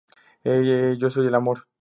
Yo soy el amor.